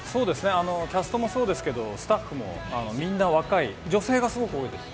キャストもそうですけどスタッフもみんな若い、女性がすごく多いです。